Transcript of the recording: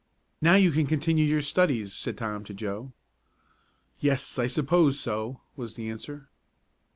"Now you can continue your studies," said Tom to Joe. "Yes, I suppose so," was the answer.